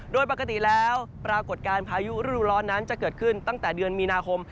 โดยปกติแล้วปรากฏการณ์พายุฤดูร้อนนั้นจะเกิดขึ้นตั้งแต่เดือนมีนาคม